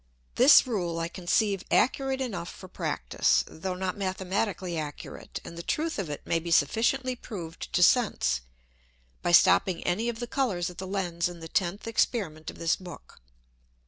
This Rule I conceive accurate enough for practice, though not mathematically accurate; and the truth of it may be sufficiently proved to Sense, by stopping any of the Colours at the Lens in the tenth Experiment of this Book.